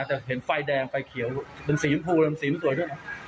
แต่เห็นไฟแดงไฟเขียวเป็นสีภูมิสีมันสวยด้วย